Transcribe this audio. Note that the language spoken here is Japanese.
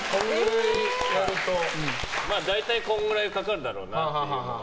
大体、このぐらいかかるだろうなっていうのが。